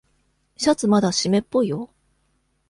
シャツまだしめっぽいよ。